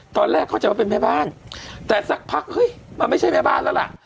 ตอนแรกเข้าใจว่าเป็นแม่บ้านแต่สักพักเฮ้ยมันไม่ใช่แม่บ้านแล้วล่ะ